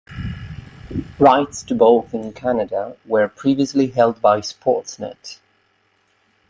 Rights to both in Canada were previously held by Sportsnet.